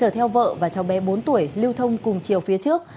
theo vợ và cháu bé bốn tuổi lưu thông cùng chiều phía trước